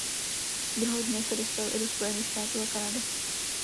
Druhotně se dostal i do Spojených států a Kanady.